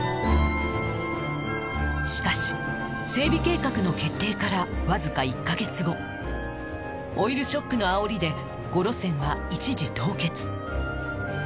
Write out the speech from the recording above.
しかし整備計画の決定からわずか１カ月後オイルショックのあおりで５路線は一時凍結